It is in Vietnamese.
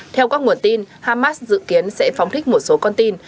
theo các nguồn tin hamas dự kiến sẽ phóng thích một số con tin